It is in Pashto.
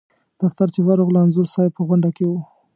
دفتر چې ورغلو انځور صاحب په غونډه کې و.